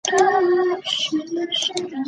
清朝嘉庆帝之嫔。